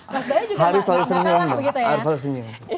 mas bayu juga matalah begitu ya